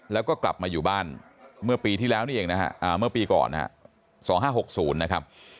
แล้วก็กลับมาอยู่บ้านเมื่อปีก่อน๒๕๖๐นะครับ